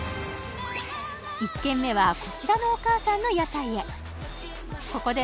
１軒目はこちらのお母さんの屋台へ